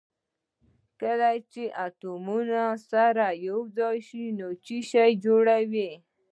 کله چې اتومونه سره یو ځای شي نو څه شی جوړوي